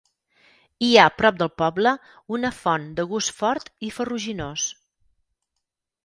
Hi ha prop del poble una font de gust fort i ferruginós.